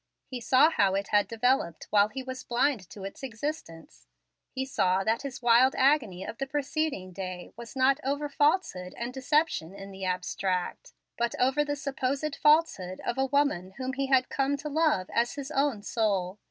He saw how it had developed while he was blind to its existence. He saw that his wild agony of the preceding day was not over falsehood and deception in the abstract, but over the supposed falsehood of a woman whom he had come to love as his own soul.